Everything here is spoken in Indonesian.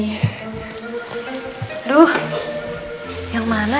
aduh yang mana ya